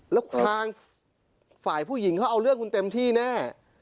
แล้วทางฝ่ายผู้หญิงเขาเอาเรื่องคุณเต็มที่แน่